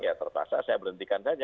ya terpaksa saya berhentikan saja